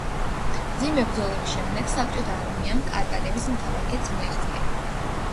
მძიმე ბრძოლების შემდეგ საბჭოთა არმიამ კარპატების მთავარ ქედს მიაღწია.